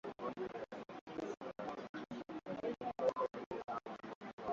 walizokusanya kati ya maiti za askari wa Schutztruppe pia mizinga miwili na bomu moja